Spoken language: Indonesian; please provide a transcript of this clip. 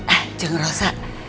ah jangan rosa